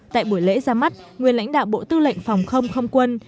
tại buổi lễ ra mắt nguyên lãnh đạo bộ tư lệnh phòng không không quân